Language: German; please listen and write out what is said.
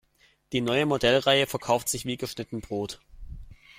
Die neue Modellreihe verkauft sich wie geschnitten Brot.